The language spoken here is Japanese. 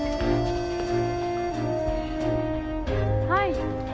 「はい」